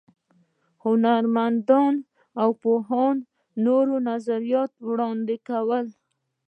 هنرمندانو او پوهانو نوي نظریات وړاندې کړل.